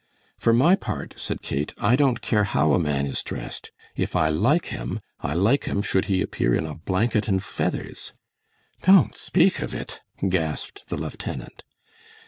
"For my part," said Kate, "I don't care how a man is dressed; if I like him, I like him should he appear in a blanket and feathers." "Don't speak of it," gasped the lieutenant.